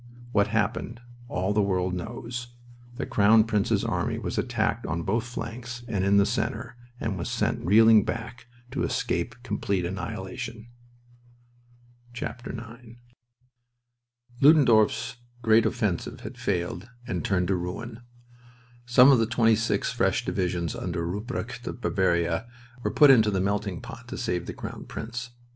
What happened all the world knows. The Crown Prince's army was attacked on both flanks and in the center, and was sent reeling back to escape complete annihilation. IX Ludendorff's great offensive had failed and had turned to ruin. Some of the twenty six fresh divisions under Rupprecht of Bavaria were put into the melting pot to save the Crown Prince.